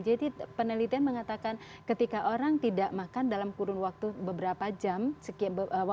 jadi penelitian mengatakan ketika orang tidak makan dalam kurun waktu beberapa jam beberapa waktu kedepannya